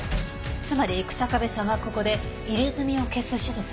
つまり日下部さんはここで入れ墨を消す手術をしていた。